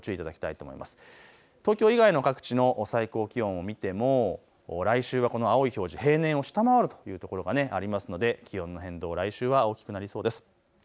東京以外の各地の最高気温を見ても来週は青い表示、平年を下回る所がありますので、気温の変動、来週は大きくなりそうです。